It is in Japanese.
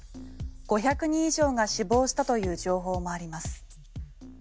５００人以上が死亡したという情報もあります。